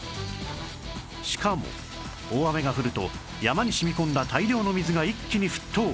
しかも大雨が降ると山に染み込んだ大量の水が一気に沸騰